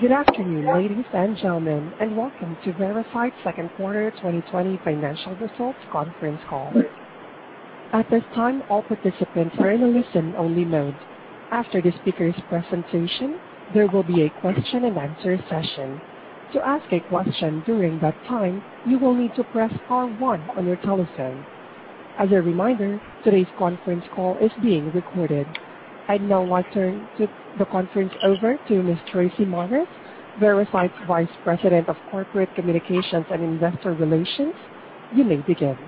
Good afternoon, ladies and gentlemen, and welcome to Veracyte's second quarter 2020 financial results conference call. At this time, all participants are in a listen-only mode. After the speaker's presentation, there will be a question and answer session. To ask a question during that time, you will need to press star one on your telephone. As a reminder, today's conference call is being recorded. I'd now like turn the conference over to Ms. Tracy Morris, Veracyte's Vice President of Corporate Communications and Investor Relations. You may begin.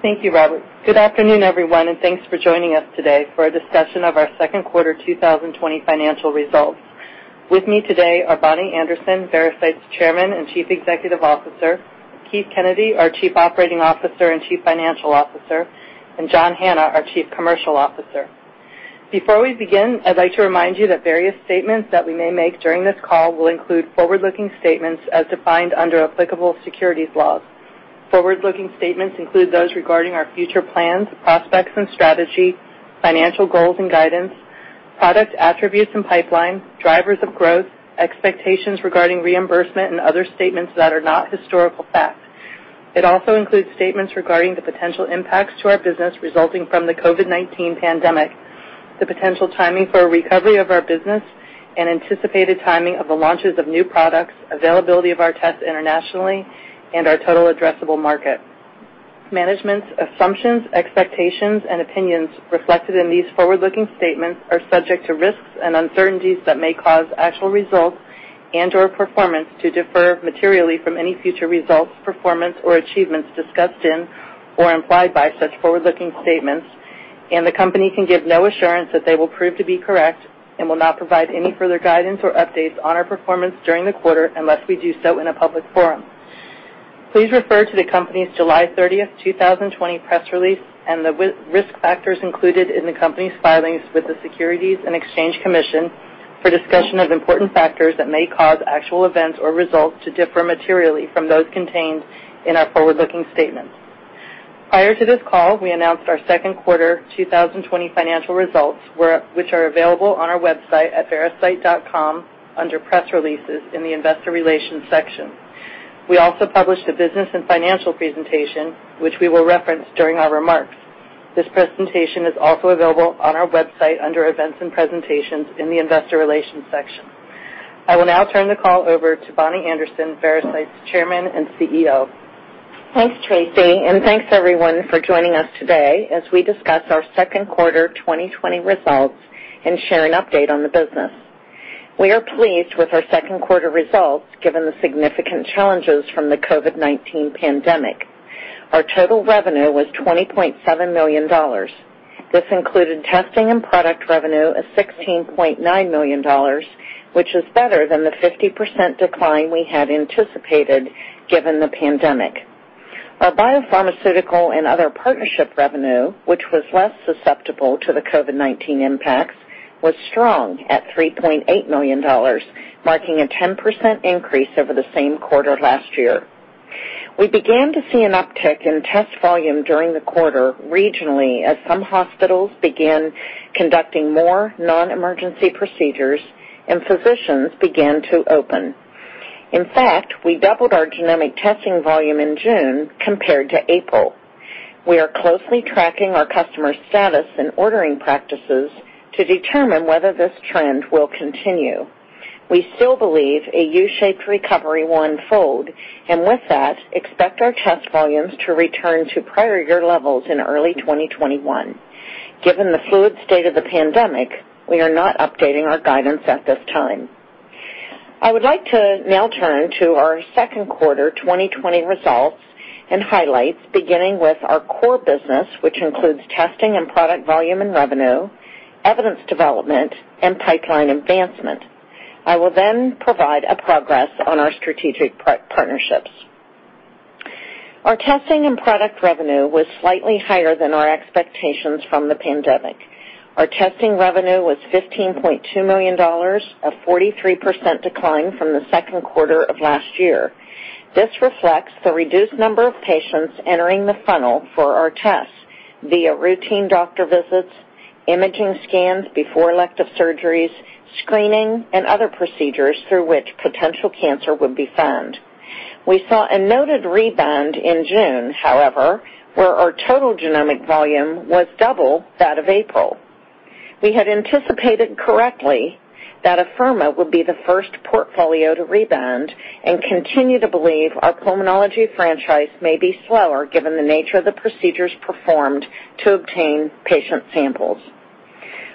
Thank you, Robert. Good afternoon, everyone, thanks for joining us today for a discussion of our second quarter 2020 financial results. With me today are Bonnie Anderson, Veracyte's Chairman and Chief Executive Officer, Keith Kennedy, our Chief Operating Officer and Chief Financial Officer, and John Hanna, our Chief Commercial Officer. Before we begin, I'd like to remind you that various statements that we may make during this call will include forward-looking statements as defined under applicable securities laws. Forward-looking statements include those regarding our future plans, prospects and strategy, financial goals and guidance, product attributes and pipeline, drivers of growth, expectations regarding reimbursement, and other statements that are not historical facts. It also includes statements regarding the potential impacts to our business resulting from the COVID-19 pandemic, the potential timing for a recovery of our business, and anticipated timing of the launches of new products, availability of our tests internationally, and our total addressable market. Management's assumptions, expectations, and opinions reflected in these forward-looking statements are subject to risks and uncertainties that may cause actual results and/or performance to differ materially from any future results, performance or achievements discussed in or implied by such forward-looking statements, and the company can give no assurance that they will prove to be correct and will not provide any further guidance or updates on our performance during the quarter unless we do so in a public forum. Please refer to the company's July 30th, 2020 press release and the risk factors included in the company's filings with the Securities and Exchange Commission for discussion of important factors that may cause actual events or results to differ materially from those contained in our forward-looking statements. Prior to this call, we announced our second quarter 2020 financial results, which are available on our website at veracyte.com under Press Releases in the Investor Relations section. We also published a business and financial presentation, which we will reference during our remarks. This presentation is also available on our website under Events and Presentations in the Investor Relations section. I will now turn the call over to Bonnie Anderson, Veracyte's Chairman and CEO. Thanks, Tracy Morris, and thanks, everyone, for joining us today as we discuss our second quarter 2020 results and share an update on the business. We are pleased with our second quarter results, given the significant challenges from the COVID-19 pandemic. Our total revenue was $20.7 million. This included testing and product revenue of $16.9 million, which is better than the 50% decline we had anticipated given the pandemic. Our biopharmaceutical and other partnership revenue, which was less susceptible to the COVID-19 impacts, was strong at $3.8 million, marking a 10% increase over the same quarter last year. We began to see an uptick in test volume during the quarter regionally as some hospitals began conducting more non-emergency procedures and physicians began to open. In fact, we doubled our genomic testing volume in June compared to April. We are closely tracking our customers' status and ordering practices to determine whether this trend will continue. We still believe a U-shaped recovery will unfold, and with that, expect our test volumes to return to prior year levels in early 2021. Given the fluid state of the pandemic, we are not updating our guidance at this time. I would like to now turn to our second quarter 2020 results and highlights, beginning with our core business, which includes testing and product volume and revenue, evidence development, and pipeline advancement. I will then provide a progress on our strategic partnerships. Our testing and product revenue was slightly higher than our expectations from the pandemic. Our testing revenue was $15.2 million, a 43% decline from the second quarter of last year. This reflects the reduced number of patients entering the funnel for our tests via routine doctor visits, imaging scans before elective surgeries, screening, and other procedures through which potential cancer would be found. We saw a noted rebound in June, however, where our total genomic volume was double that of April. We had anticipated correctly that Afirma would be the first portfolio to rebound and continue to believe our pulmonology franchise may be slower given the nature of the procedures performed to obtain patient samples.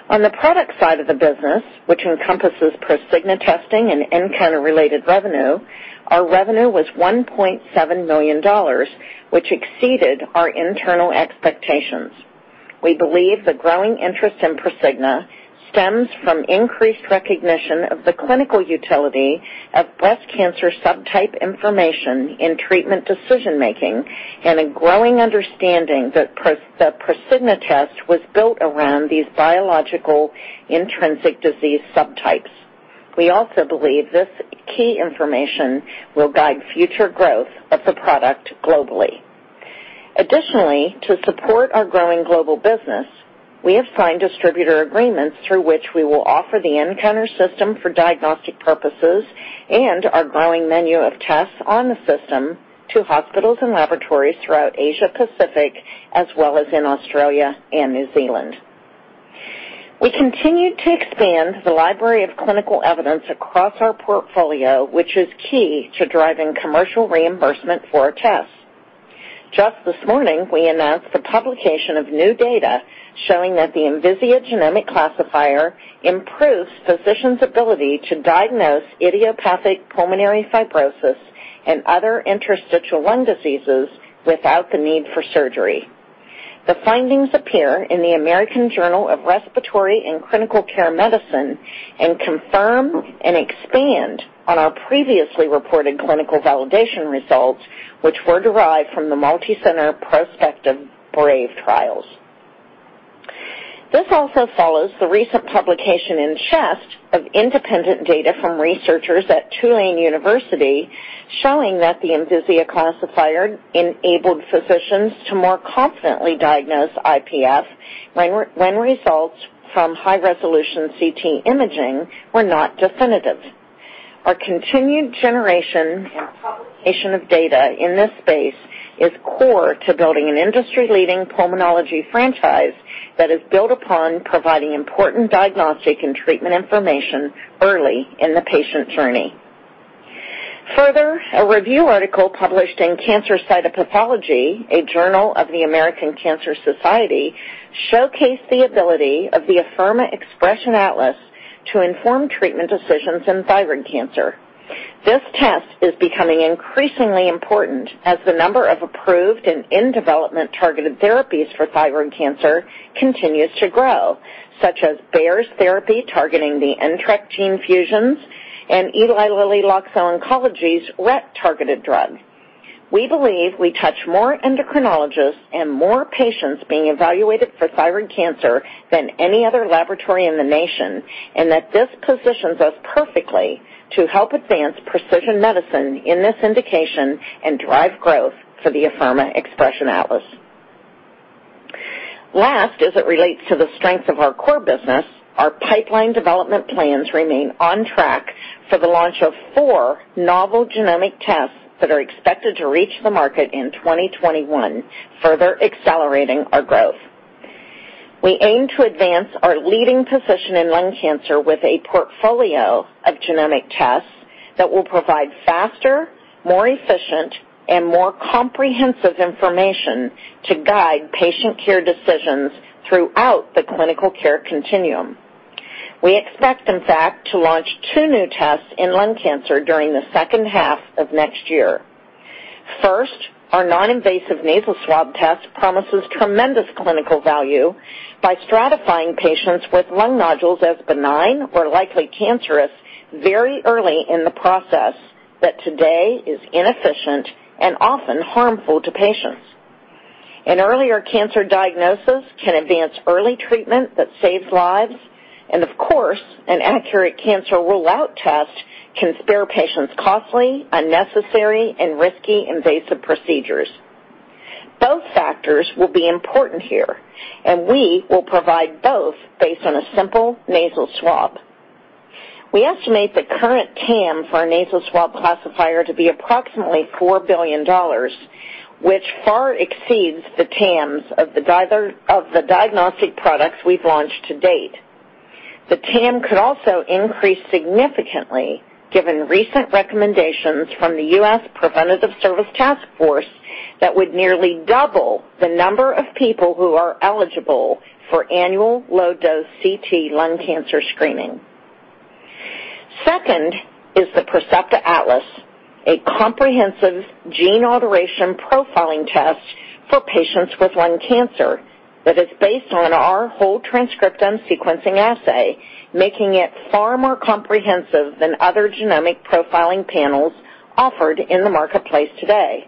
On the product side of the business, which encompasses Prosigna testing and nCounter-related revenue, our revenue was $1.7 million, which exceeded our internal expectations. We believe the growing interest in Prosigna stems from increased recognition of the clinical utility of breast cancer subtype information in treatment decision-making and a growing understanding that the Prosigna test was built around these biological intrinsic disease subtypes. We also believe this key information will guide future growth of the product globally. Additionally, to support our growing global business, we have signed distributor agreements through which we will offer the nCounter system for diagnostic purposes and our growing menu of tests on the system to hospitals and laboratories throughout Asia Pacific, as well as in Australia and New Zealand. We continue to expand the library of clinical evidence across our portfolio, which is key to driving commercial reimbursement for our tests. Just this morning, we announced the publication of new data showing that the Envisia Genomic Classifier improves physicians' ability to diagnose idiopathic pulmonary fibrosis and other interstitial lung diseases without the need for surgery. The findings appear in the "American Journal of Respiratory and Critical Care Medicine" and confirm and expand on our previously reported clinical validation results, which were derived from the multi-center prospective BRAVE trials. This also follows the recent publication in "Chest" of independent data from researchers at Tulane University, showing that the Envisia Classifier enabled physicians to more confidently diagnose IPF when results from high-resolution CT imaging were not definitive. Our continued generation and publication of data in this space is core to building an industry-leading pulmonology franchise that is built upon providing important diagnostic and treatment information early in the patient's journey. Further, a review article published in "Cancer Cytopathology," a journal of the American Cancer Society, showcased the ability of the Afirma Xpression Atlas to inform treatment decisions in thyroid cancer. This test is becoming increasingly important as the number of approved and in-development targeted therapies for thyroid cancer continues to grow, such as Bayer's therapy targeting the NTRK gene fusions and Eli Lilly Loxo Oncology's RET-targeted drug. We believe we touch more endocrinologists and more patients being evaluated for thyroid cancer than any other laboratory in the nation, and that this positions us perfectly to help advance precision medicine in this indication and drive growth for the Afirma Xpression Atlas. Last, as it relates to the strength of our core business, our pipeline development plans remain on track for the launch of four novel genomic tests that are expected to reach the market in 2021, further accelerating our growth. We aim to advance our leading position in lung cancer with a portfolio of genomic tests that will provide faster, more efficient, and more comprehensive information to guide patient care decisions throughout the clinical care continuum. We expect, in fact, to launch two new tests in lung cancer during the second half of next year. First, our non-invasive nasal swab test promises tremendous clinical value by stratifying patients with lung nodules as benign or likely cancerous very early in the process that today is inefficient and often harmful to patients. An earlier cancer diagnosis can advance early treatment that saves lives, and of course, an accurate cancer rule-out test can spare patients costly, unnecessary, and risky invasive procedures. Both factors will be important here, and we will provide both based on a simple nasal swab. We estimate the current TAM for our nasal swab classifier to be approximately $4 billion, which far exceeds the TAMs of the diagnostic products we've launched to date. The TAM could also increase significantly given recent recommendations from the U.S. Preventive Services Task Force that would nearly double the number of people who are eligible for annual low-dose CT lung cancer screening. Second is the Percepta Atlas, a comprehensive gene alteration profiling test for patients with lung cancer that is based on our whole transcriptome sequencing assay, making it far more comprehensive than other genomic profiling panels offered in the marketplace today.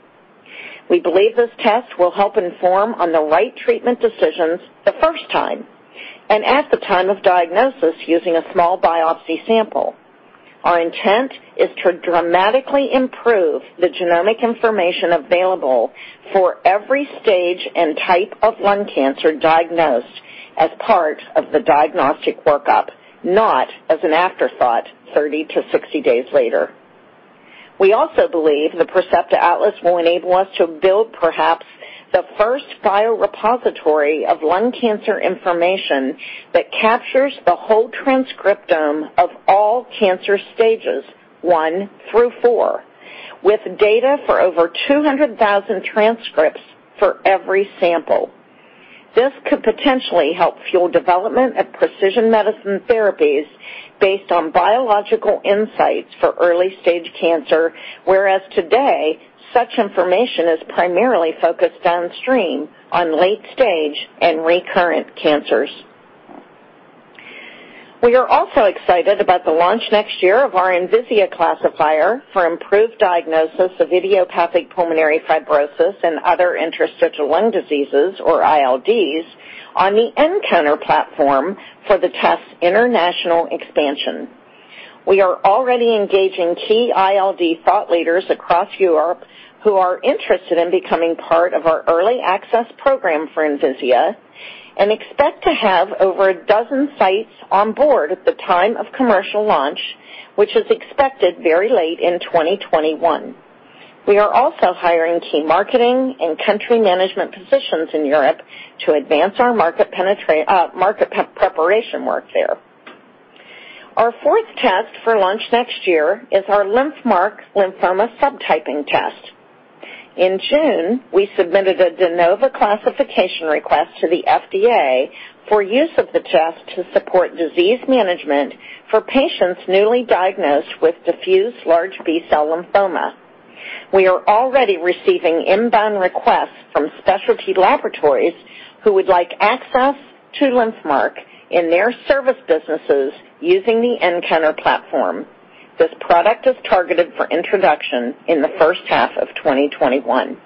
We believe this test will help inform on the right treatment decisions the first time and at the time of diagnosis using a small biopsy sample. Our intent is to dramatically improve the genomic information available for every stage and type of lung cancer diagnosed as part of the diagnostic workup, not as an afterthought 30 to 60 days later. We also believe the Percepta Atlas will enable us to build perhaps the first biorepository of lung cancer information that captures the whole transcriptome of all cancer stages, one through four, with data for over 200,000 transcripts for every sample. This could potentially help fuel development of precision medicine therapies based on biological insights for early-stage cancer, whereas today, such information is primarily focused downstream on late stage and recurrent cancers. We are also excited about the launch next year of our Envisia classifier for improved diagnosis of idiopathic pulmonary fibrosis and other interstitial lung diseases, or ILDs, on the nCounter platform for the test's international expansion. We are already engaging key ILD thought leaders across Europe who are interested in becoming part of our early access program for Envisia, and expect to have over a dozen sites on board at the time of commercial launch, which is expected very late in 2021. We are also hiring key marketing and country management positions in Europe to advance our market preparation work there. Our fourth test for launch next year is our LymphMark lymphoma subtyping test. In June, we submitted a De Novo classification request to the FDA for use of the test to support disease management for patients newly diagnosed with diffuse large B-cell lymphoma. We are already receiving inbound requests from specialty laboratories who would like access to LymphMark in their service businesses using the nCounter platform. This product is targeted for introduction in the first half of 2021.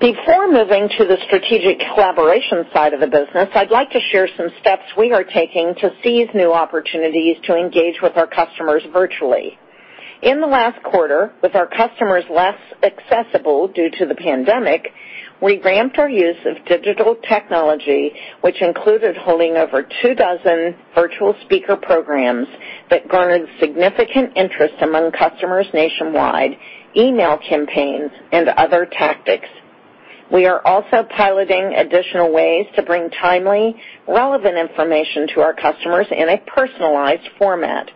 Before moving to the strategic collaboration side of the business, I'd like to share some steps we are taking to seize new opportunities to engage with our customers virtually. In the last quarter, with our customers less accessible due to the pandemic, we ramped our use of digital technology, which included holding over two dozen virtual speaker programs that garnered significant interest among customers nationwide, email campaigns, and other tactics. We are also piloting additional ways to bring timely, relevant information to our customers in a personalized format.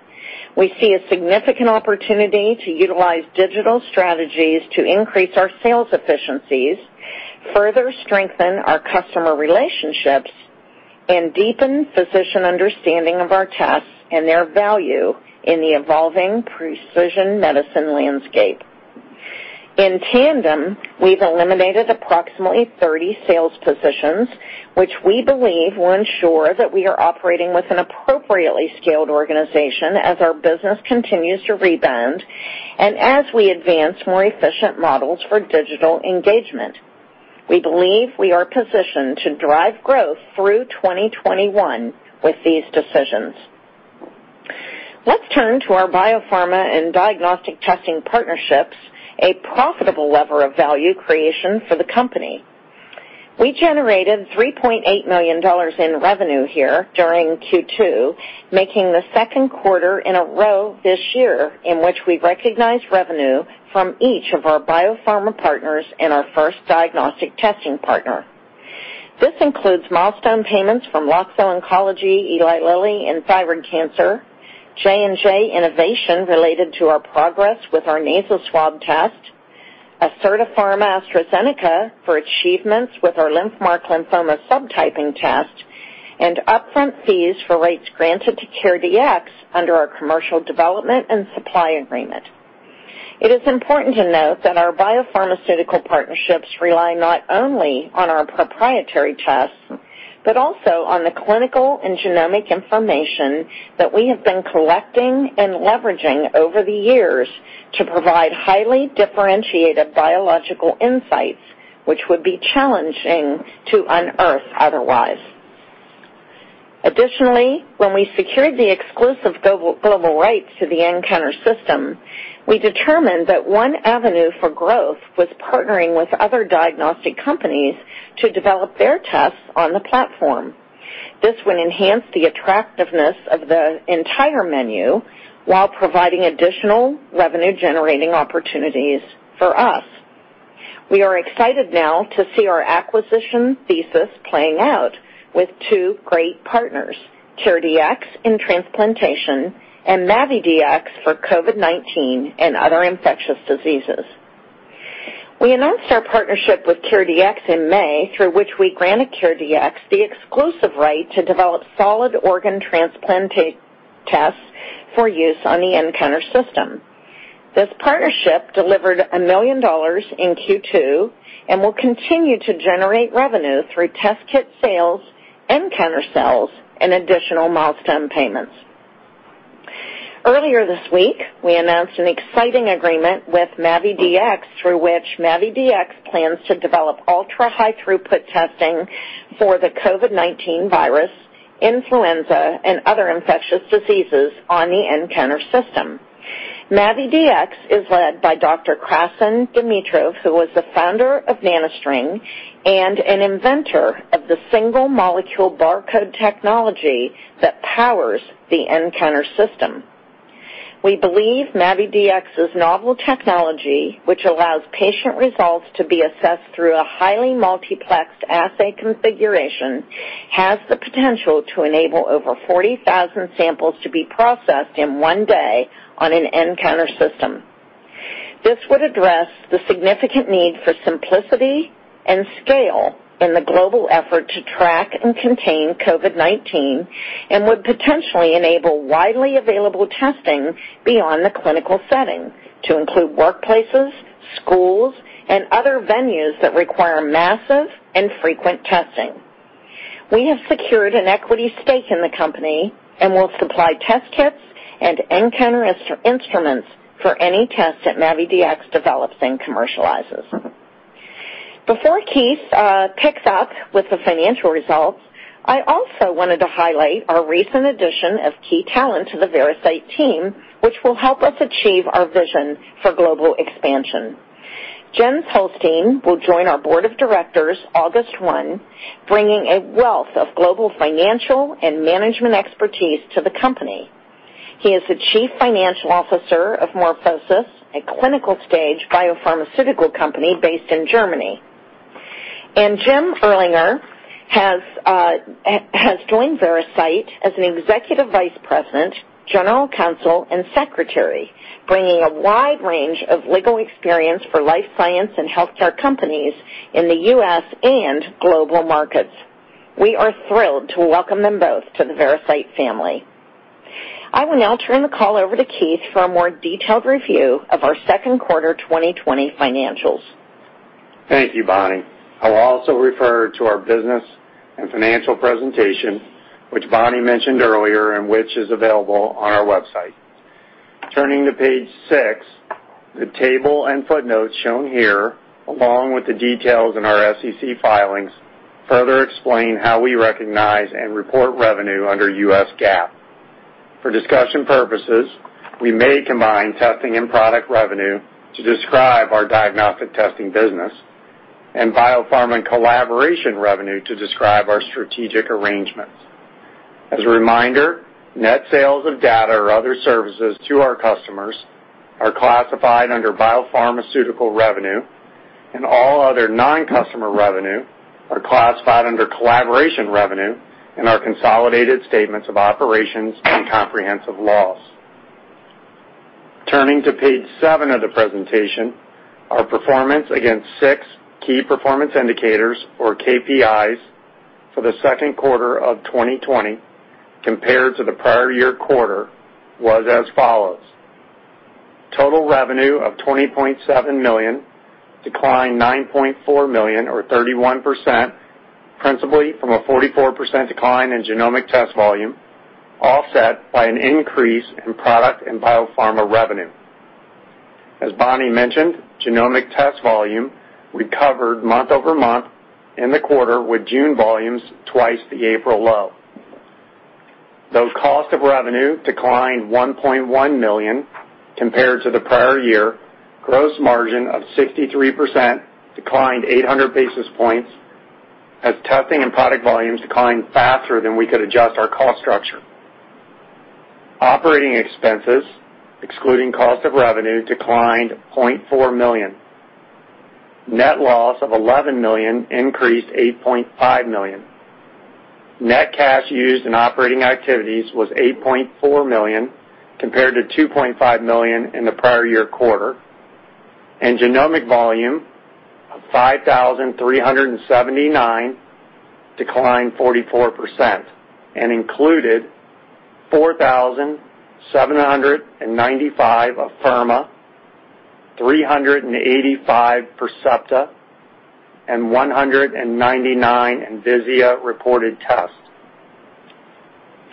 We see a significant opportunity to utilize digital strategies to increase our sales efficiencies, further strengthen our customer relationships, and deepen physician understanding of our tests and their value in the evolving precision medicine landscape. In tandem, we've eliminated approximately 30 sales positions, which we believe will ensure that we are operating with an appropriately scaled organization as our business continues to rebound and as we advance more efficient models for digital engagement. We believe we are positioned to drive growth through 2021 with these decisions. Let's turn to our biopharma and diagnostic testing partnerships, a profitable lever of value creation for the company. We generated $3.8 million in revenue here during Q2, making the second quarter in a row this year in which we recognized revenue from each of our biopharma partners and our first diagnostic testing partner. This includes milestone payments from Loxo Oncology, Eli Lilly in thyroid cancer, J&J Innovation, related to our progress with our nasal swab test, Acerta Pharma, AstraZeneca for achievements with our LymphMark lymphoma subtyping test, and upfront fees for rights granted to CareDx under our commercial development and supply agreement. It is important to note that our biopharmaceutical partnerships rely not only on our proprietary tests, but also on the clinical and genomic information that we have been collecting and leveraging over the years to provide highly differentiated biological insights, which would be challenging to unearth otherwise. Additionally, when we secured the exclusive global rights to the nCounter system, we determined that one avenue for growth was partnering with other diagnostic companies to develop their tests on the platform. This would enhance the attractiveness of the entire menu while providing additional revenue-generating opportunities for us. We are excited now to see our acquisition thesis playing out with two great partners, CareDx in transplantation and MAVIDx for COVID-19 and other infectious diseases. We announced our partnership with CareDx in May, through which we granted CareDx the exclusive right to develop solid organ transplant tests for use on the nCounter system. This partnership delivered $1 million in Q2 and will continue to generate revenue through test kit sales, nCounter sales, and additional milestone payments. Earlier this week, we announced an exciting agreement with MAVIDx, through which MAVIDx plans to develop ultra-high-throughput testing for the COVID-19 virus, influenza, and other infectious diseases on the nCounter system. MAVIDx is led by Dr. Krassen Dimitrov, who was the founder of NanoString and an inventor of the single-molecule barcode technology that powers the nCounter system. We believe MAVIDx's novel technology, which allows patient results to be assessed through a highly multiplexed assay configuration, has the potential to enable over 40,000 samples to be processed in one day on an nCounter system. This would address the significant need for simplicity and scale in the global effort to track and contain COVID-19 and would potentially enable widely available testing beyond the clinical setting to include workplaces, schools, and other venues that require massive and frequent testing. We have secured an equity stake in the company and will supply test kits and nCounter instruments for any test that MAVIDx develops and commercializes. Before Keith picks up with the financial results, I also wanted to highlight our recent addition of key talent to the Veracyte team, which will help us achieve our vision for global expansion. Jens Holstein will join our board of directors August 1, bringing a wealth of global financial and management expertise to the company. He is the Chief Financial Officer of MorphoSys, a clinical stage biopharmaceutical company based in Germany. Jim Erlinger has joined Veracyte as an Executive Vice President, General Counsel and Secretary, bringing a wide range of legal experience for life science and healthcare companies in the U.S. and global markets. We are thrilled to welcome them both to the Veracyte family. I will now turn the call over to Keith for a more detailed review of our second quarter 2020 financials. Thank you, Bonnie. I will also refer to our business and financial presentation, which Bonnie mentioned earlier, and which is available on our website. Turning to page six, the table and footnotes shown here, along with the details in our SEC filings, further explain how we recognize and report revenue under US GAAP. For discussion purposes, we may combine testing and product revenue to describe our diagnostic testing business, biopharma and collaboration revenue to describe our strategic arrangements. As a reminder, net sales of data or other services to our customers are classified under biopharmaceutical revenue, and all other non-customer revenue are classified under collaboration revenue, in our consolidated statements of operations and comprehensive loss. Turning to page seven of the presentation, our performance against six key performance indicators, or KPIs, for the second quarter of 2020 compared to the prior year quarter, was as follows. Total revenue of $20.7 million, decline $9.4 million or 31%, principally from a 44% decline in genomic test volume, offset by an increase in product and biopharma revenue. As Bonnie mentioned, genomic test volume recovered month-over-month in the quarter, with June volumes twice the April low. Though cost of revenue declined $1.1 million compared to the prior year, gross margin of 63% declined 800 basis points as testing and product volumes declined faster than we could adjust our cost structure. Operating expenses, excluding cost of revenue, declined $0.4 million. Net loss of $11 million increased $8.5 million. Net cash used in operating activities was $8.4 million, compared to $2.5 million in the prior year quarter. Genomic volume of 5,379, decline 44%, and included 4,795 Afirma, 385 Percepta, and 199 Envisia reported tests.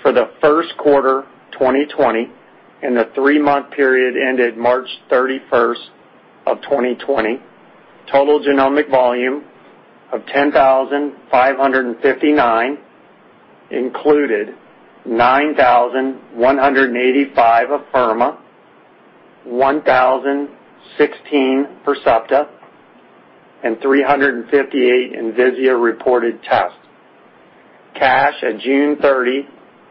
For the first quarter 2020, in the three-month period ended March 31, 2020, total genomic volume of 10,559 included 9,185 Afirma, 1,016 Percepta, and 358 Envisia reported tests. Cash at June 30,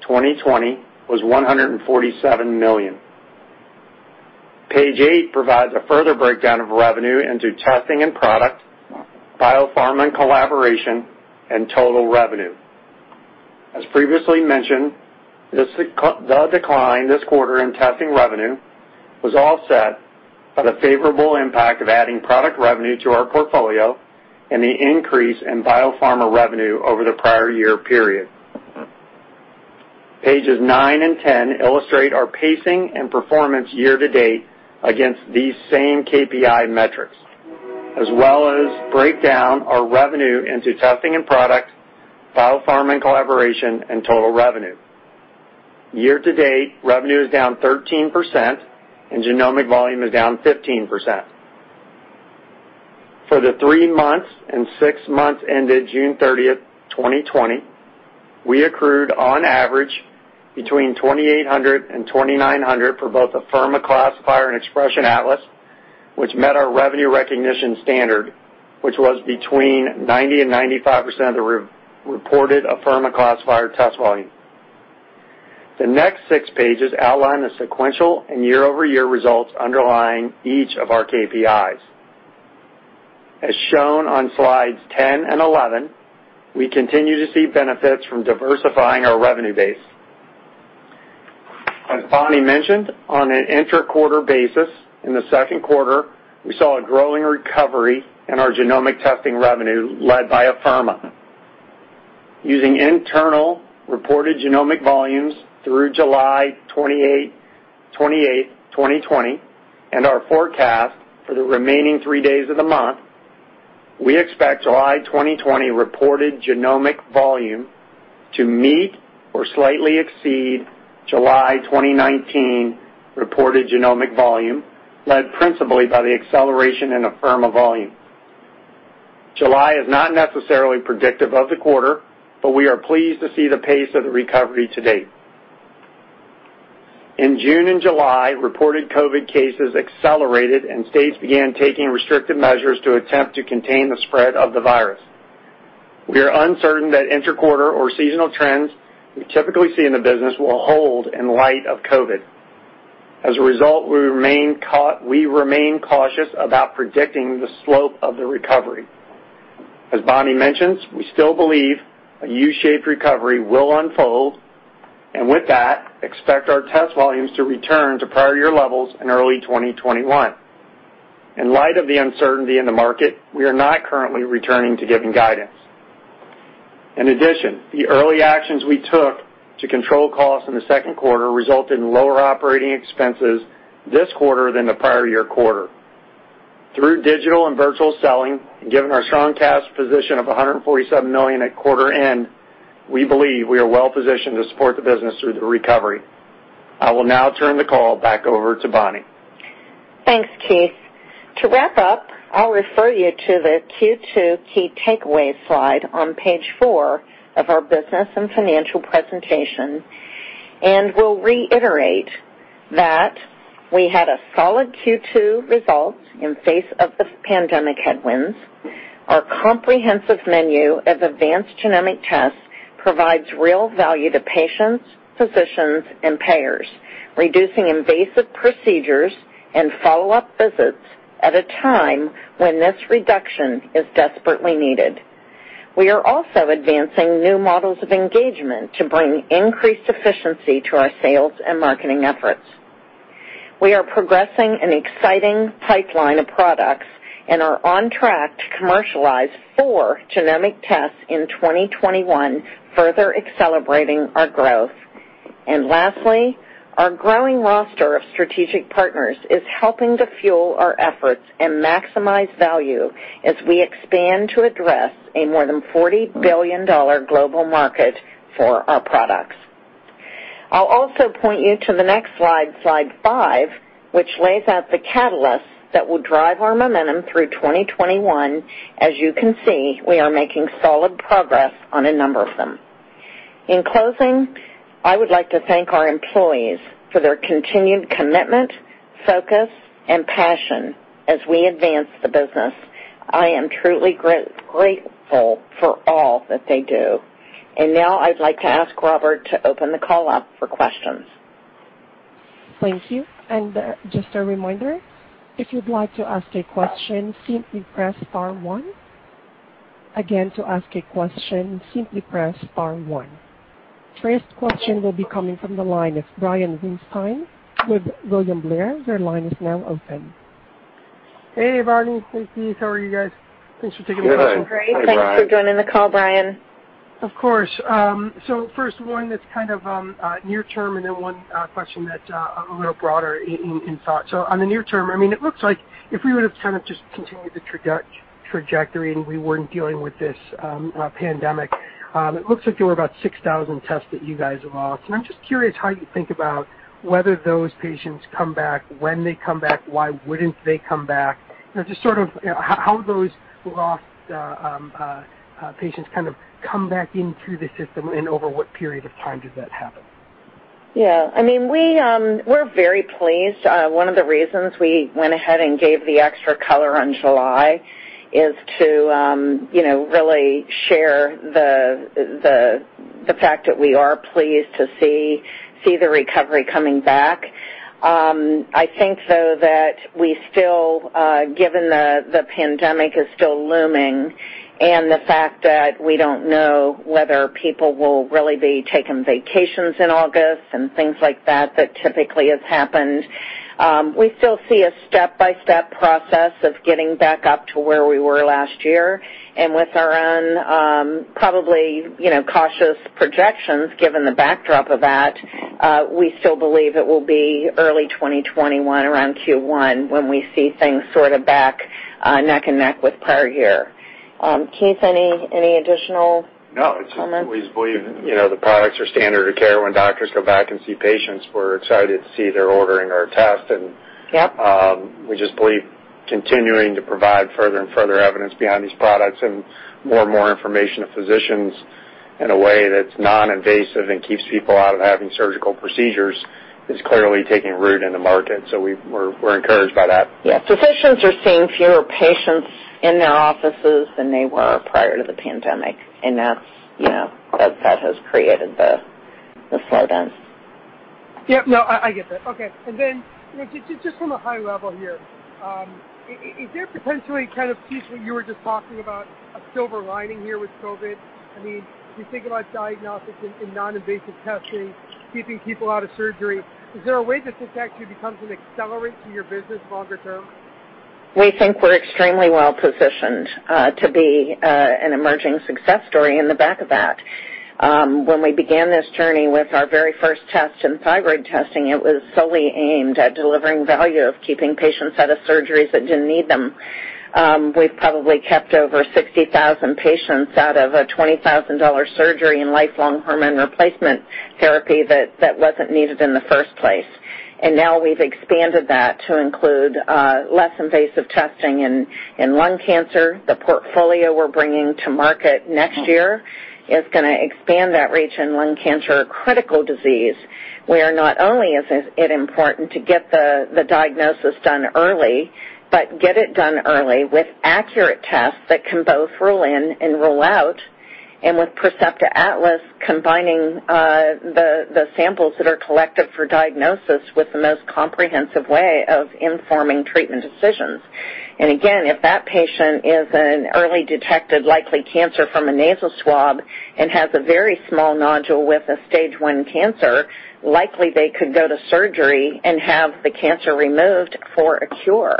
2020 was $147 million. Page eight provides a further breakdown of revenue into testing and product, biopharma and collaboration, and total revenue. As previously mentioned, the decline this quarter in testing revenue was offset by the favorable impact of adding product revenue to our portfolio and the increase in biopharma revenue over the prior year period. Pages nine and 10 illustrate our pacing and performance year to date against these same KPI metrics, as well as break down our revenue into testing and product, biopharma and collaboration, and total revenue. Year to date, revenue is down 13% and genomic volume is down 15%. For the three months and six months ended June 30, 2020, we accrued on average between $2,800 and $2,900 for both Afirma classifier and Xpression Atlas, which met our revenue recognition standard, which was between 90% and 95% of the reported Afirma classifier test volume. The next six pages outline the sequential and year-over-year results underlying each of our KPIs. As shown on slides 10 and 11, we continue to see benefits from diversifying our revenue base. As Bonnie mentioned, on an inter-quarter basis, in the second quarter, we saw a growing recovery in our genomic testing revenue led by Afirma. Using internal reported genomic volumes through July 28, 2020, and our forecast for the remaining three days of the month, we expect July 2020 reported genomic volume to meet or slightly exceed July 2019 reported genomic volume, led principally by the acceleration in Afirma volume. July is not necessarily predictive of the quarter, but we are pleased to see the pace of the recovery to date. In June and July, reported COVID cases accelerated and states began taking restrictive measures to attempt to contain the spread of the virus. We are uncertain that inter-quarter or seasonal trends we typically see in the business will hold in light of COVID. As a result, we remain cautious about predicting the slope of the recovery. As Bonnie mentions, we still believe a U-shaped recovery will unfold, and with that, expect our test volumes to return to prior year levels in early 2021. In light of the uncertainty in the market, we are not currently returning to giving guidance. In addition, the early actions we took to control costs in the second quarter result in lower operating expenses this quarter than the prior year quarter. Through digital and virtual selling, and given our strong cash position of $147 million at quarter end, we believe we are well positioned to support the business through the recovery. I will now turn the call back over to Bonnie. Thanks, Keith. To wrap up, I'll refer you to the Q2 key takeaways slide on page four of our business and financial presentation. I will reiterate that we had a solid Q2 result in face of the pandemic headwinds. Our comprehensive menu of advanced genomic tests provides real value to patients, physicians, and payers, reducing invasive procedures and follow-up visits at a time when this reduction is desperately needed. We are also advancing new models of engagement to bring increased efficiency to our sales and marketing efforts. We are progressing an exciting pipeline of products and are on track to commercialize four genomic tests in 2021, further accelerating our growth. Lastly, our growing roster of strategic partners is helping to fuel our efforts and maximize value as we expand to address a more than $40 billion global market for our products. I'll also point you to the next slide five, which lays out the catalysts that will drive our momentum through 2021. As you can see, we are making solid progress on a number of them. In closing, I would like to thank our employees for their continued commitment, focus, and passion as we advance the business. I am truly grateful for all that they do. Now I'd like to ask Robert to open the call up for questions. Thank you. Just a reminder, if you'd like to ask a question, simply press star one. Again, to ask a question, simply press star one. First question will be coming from the line of Brian Weinstein with William Blair. Your line is now open. Hey, Bonnie. Hey, Keith. How are you guys? Thanks for taking my call. Good. Great. Thanks for joining the call, Brian. Of course. First one that's kind of near term, and then one question that's a little broader in thought. On the near term, it looks like if we would've kind of just continued the trajectory and we weren't dealing with this pandemic, it looks like there were about 6,000 tests that you guys have lost. I'm just curious how you think about whether those patients come back, when they come back, why wouldn't they come back? Just sort of how those lost patients kind of come back into the system, and over what period of time does that happen? Yeah. We're very pleased. One of the reasons we went ahead and gave the extra color on July is to really share the fact that we are pleased to see the recovery coming back. I think, though, that we still, given the pandemic is still looming and the fact that we don't know whether people will really be taking vacations in August and things like that that typically has happened, we still see a step-by-step process of getting back up to where we were last year. With our own, probably cautious projections, given the backdrop of that, we still believe it will be early 2021, around Q1, when we see things sort of back neck and neck with prior year. Keith, any additional comments? No. We just believe the products are standard of care. When doctors go back and see patients, we're excited to see they're ordering our tests. Yep. We just believe continuing to provide further and further evidence behind these products and more and more information to physicians in a way that's non-invasive and keeps people out of having surgical procedures is clearly taking root in the market. We're encouraged by that. Yeah. Physicians are seeing fewer patients in their offices than they were prior to the pandemic. That has created the slowdown. Yeah. No, I get that. Okay. Just from a high level here, is there potentially kind of, Keith, what you were just talking about, a silver lining here with COVID-19? If you think about diagnostics and non-invasive testing, keeping people out of surgery, is there a way that this actually becomes an accelerant to your business longer term? We think we're extremely well-positioned to be an emerging success story in the back of that. When we began this journey with our very first test in thyroid testing, it was solely aimed at delivering value of keeping patients out of surgeries that didn't need them. We've probably kept over 60,000 patients out of a $20,000 surgery and lifelong hormone replacement therapy that wasn't needed in the first place. Now we've expanded that to include less invasive testing in lung cancer. The portfolio we're bringing to market next year is going to expand that reach in lung cancer, a critical disease, where not only is it important to get the diagnosis done early, but get it done early with accurate tests that can both rule in and rule out, and with Percepta Atlas combining the samples that are collected for diagnosis with the most comprehensive way of informing treatment decisions. Again, if that patient is an early detected likely cancer from a nasal swab and has a very small nodule with a Stage 1 cancer, likely they could go to surgery and have the cancer removed for a cure.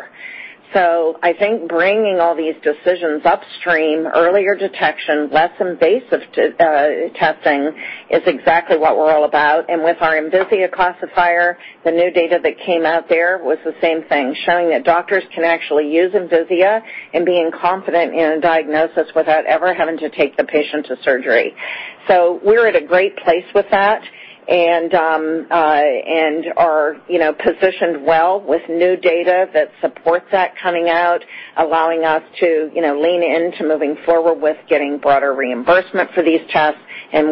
I think bringing all these decisions upstream, earlier detection, less invasive testing is exactly what we're all about. With our Envisia classifier, the new data that came out there was the same thing, showing that doctors can actually use Envisia and be confident in a diagnosis without ever having to take the patient to surgery. We're at a great place with that and are positioned well with new data that supports that coming out, allowing us to lean into moving forward with getting broader reimbursement for these tests.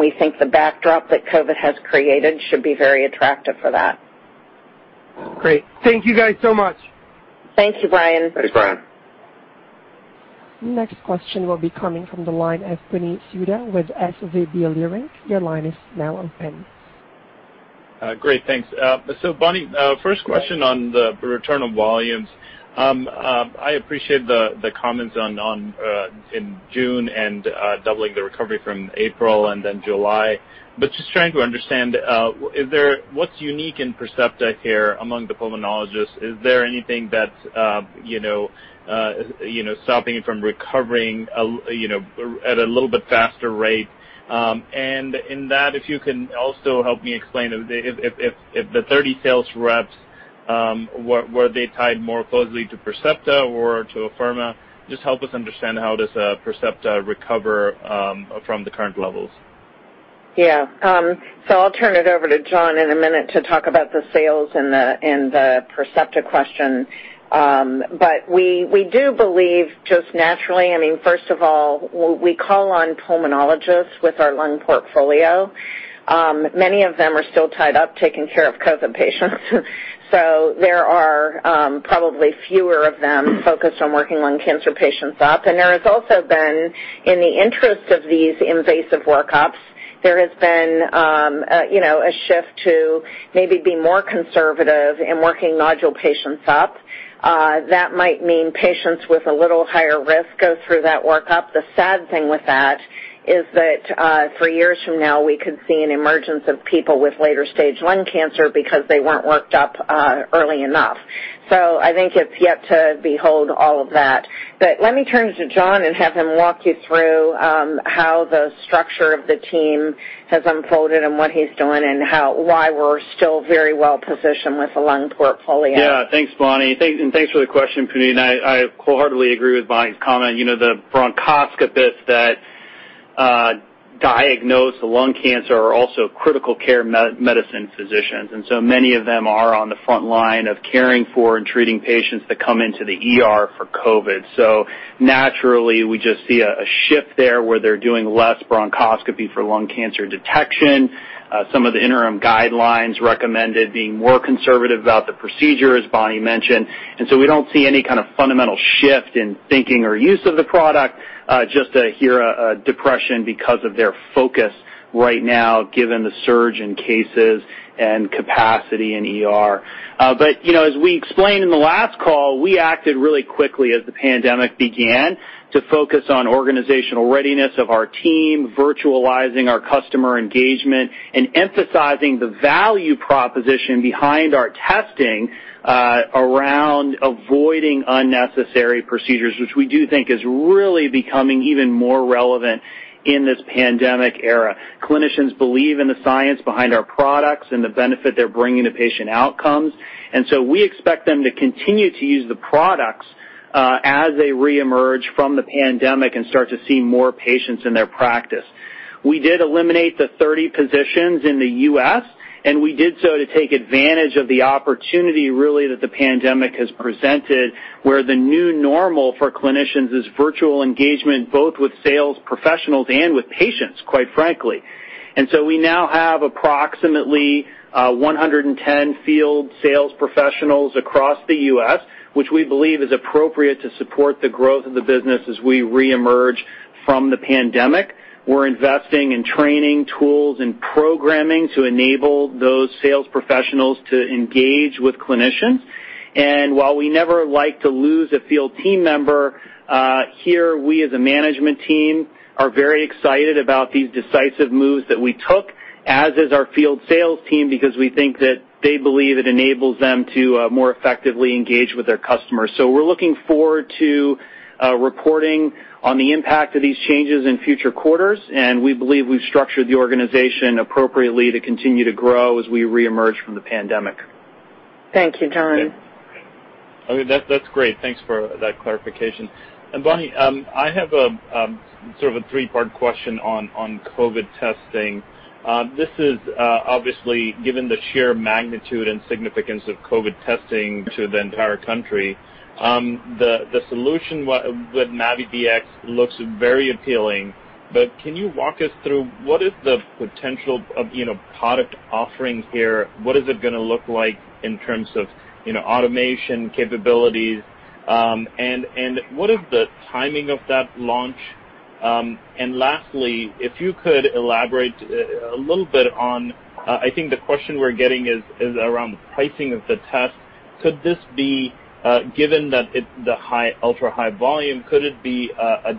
We think the backdrop that COVID-19 has created should be very attractive for that. Great. Thank you guys so much. Thank you, Brian. Thanks, Brian. Next question will be coming from the line of Puneet Souda with SVB Leerink. Your line is now open. Great. Thanks. Bonnie, first question on the return of volumes. I appreciate the comments in June and doubling the recovery from April and then July, but just trying to understand, what's unique in Percepta here among the pulmonologists? Is there anything that's stopping it from recovering at a little bit faster rate? In that, if you can also help me explain, if the 30 sales reps, were they tied more closely to Percepta or to Afirma? Just help us understand how does Percepta recover from the current levels. Yeah. I'll turn it over to John in a minute to talk about the sales and the Percepta question. We do believe just naturally, first of all, we call on pulmonologists with our lung portfolio. Many of them are still tied up taking care of COVID patients. There are probably fewer of them focused on working lung cancer patients up. There has also been, in the interest of these invasive work-ups, there has been a shift to maybe be more conservative in working nodule patients up. That might mean patients with a little higher risk go through that work-up. The sad thing with that is that three years from now, we could see an emergence of people with later stage lung cancer because they weren't worked up early enough. I think it's yet to behold all of that. Let me turn to John and have him walk you through how the structure of the team has unfolded and what he is doing and why we are still very well positioned with the lung portfolio. Yeah. Thanks, Bonnie. Thanks for the question, Puneet. I wholeheartedly agree with Bonnie's comment. The bronchoscopists that diagnose lung cancer are also critical care medicine physicians, and so many of them are on the front line of caring for and treating patients that come into the ER for COVID. Naturally, we just see a shift there where they're doing less bronchoscopy for lung cancer detection. Some of the interim guidelines recommended being more conservative about the procedure, as Bonnie mentioned. We don't see any kind of fundamental shift in thinking or use of the product, just hear a depression because of their focus right now, given the surge in cases and capacity in ER. As we explained in the last call, we acted really quickly as the pandemic began to focus on organizational readiness of our team, virtualizing our customer engagement, and emphasizing the value proposition behind our testing around avoiding unnecessary procedures, which we do think is really becoming even more relevant in this pandemic era. Clinicians believe in the science behind our products and the benefit they're bringing to patient outcomes. We expect them to continue to use the products as they reemerge from the pandemic and start to see more patients in their practice. We did eliminate the 30 positions in the U.S., and we did so to take advantage of the opportunity, really, that the pandemic has presented, where the new normal for clinicians is virtual engagement, both with sales professionals and with patients, quite frankly. We now have approximately 110 field sales professionals across the U.S., which we believe is appropriate to support the growth of the business as we reemerge from the pandemic. We're investing in training tools and programming to enable those sales professionals to engage with clinicians. While we never like to lose a field team member, here we as a management team are very excited about these decisive moves that we took, as is our field sales team, because we think that they believe it enables them to more effectively engage with their customers. We're looking forward to reporting on the impact of these changes in future quarters, and we believe we've structured the organization appropriately to continue to grow as we reemerge from the pandemic. Thank you, John. Okay. That's great. Thanks for that clarification. Bonnie, I have sort of a three-part question on COVID testing. This is obviously, given the sheer magnitude and significance of COVID testing to the entire country, the solution with MAVIDx looks very appealing, but can you walk us through what is the potential of product offerings here? What is it going to look like in terms of automation capabilities, and what is the timing of that launch? Lastly, if you could elaborate a little bit on, I think the question we're getting is around the pricing of the test. Could this be, given the ultra high volume, could it be a